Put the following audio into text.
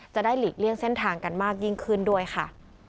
หลีกเลี่ยงเส้นทางกันมากยิ่งขึ้นด้วยค่ะ